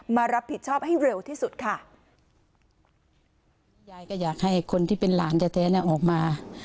มารับผิดชอบให้เร็วที่สุดค่ะ